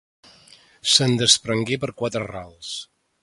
Se'n desprengué per quatre rals.